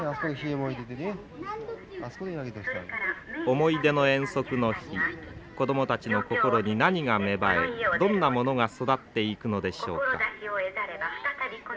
思い出の遠足の日子どもたちの心に何が芽生えどんなものが育っていくのでしょうか。